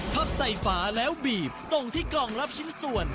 พับใส่ฝาแล้วบีบส่งที่กล่องรับชิ้นส่วน